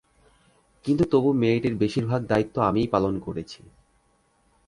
কিন্তু তবু মেয়েটির বেশির ভাগ দায়িত্ব আমিই পালন করেছি।